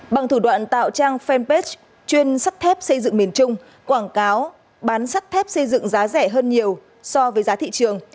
bằng thủ đoạn tạo trang fanpage chuyên sắt thép xây dựng miền trung quảng cáo bán sắt thép xây dựng giá rẻ hơn nhiều so với giá thị trường